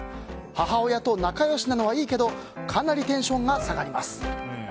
母親と仲良しなのはいいけどかなりテンションが下がります。